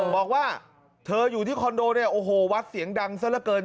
บอกว่าเธออยู่ที่คอนโดเนี่ยโอ้โหวัดเสียงดังซะละเกิน